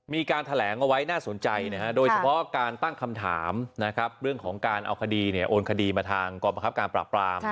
มีการแถลงเอาไว้น่าสนใจโดยเฉพาะการตั้งคำถามเรื่องของการเอาคดีโอนคดีมาทางกรประคับการปราบปราม